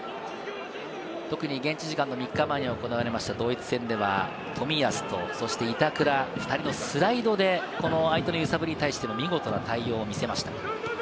現地時間３日前に行われたドイツ戦では、冨安と板倉、２人のスライドで相手の揺さぶりに対して、見事な対応を見せました。